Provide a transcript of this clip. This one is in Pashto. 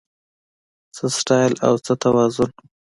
څه سټایل او څه توازن